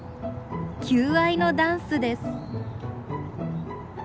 求愛のダンスです。